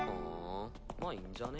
まぁいいんじゃね？